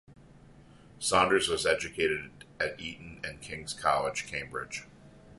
Saunders was educated at Eton and at King's College, Cambridge.